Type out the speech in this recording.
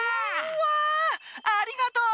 うわありがとう！